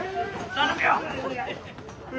頼むよ！